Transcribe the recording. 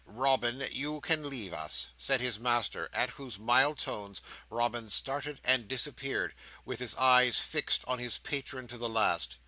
"Robin, you can leave us," said his master, at whose mild tones Robin started and disappeared, with his eyes fixed on his patron to the last.